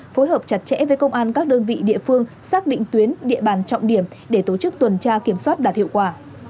phối hợp chặt chẽ với công an các đơn vị địa phương xác định tuyến địa bàn trọng điểm để tổ chức tuần tra kiểm soát đạt hiệu quả